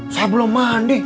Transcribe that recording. saya belum mandi